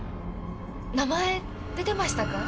名前出てましたか？